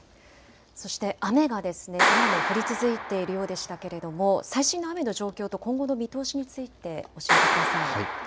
そして雨が今も降り続いているようでしたけれども最新の雨の状況と今後の見通しについて教えてください。